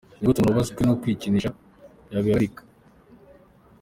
Ni gute umuntu wabaswe no kwikinisha yabihagarika?.